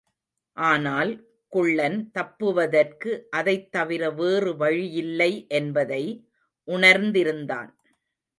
ஆனால், குள்ளன் தப்புவதற்கு அதைத் தவிர வேறு வழியில்லை என்பதை உணர்ந்திருந்தான்.